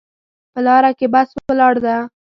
په لاره کې بس ولاړ ده